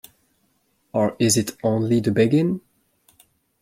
Or is it only the begin-?